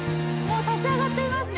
もう立ち上がっています